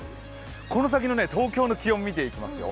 この先の東京の気温、見ていきますよ。